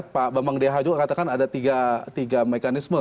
pak bambang deha juga katakan ada tiga mekanisme